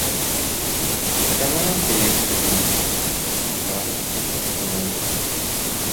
Катамаран тээп жүргөндүн баары эркек балдар болгон.